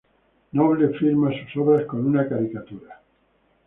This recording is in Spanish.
Noble firma sus obras con una caricatura.